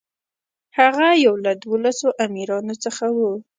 هغه یو له دولسو امیرانو څخه و.